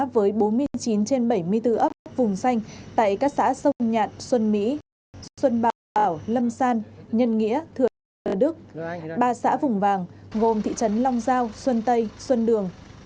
với bốn mươi chín trên bảy mươi bốn ấp vùng xanh tại các xã sông nhạn xuân mỹ xuân bảo bảo lâm san nhân nghĩa thượng đức ba xã vùng vàng gồm thị trấn long giao xuân tây xuân đường